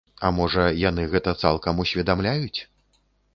А можа, яны гэта цалкам усведамляюць?